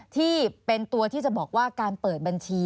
ที่เป็นตัวที่จะบอกว่าการเปิดบัญชี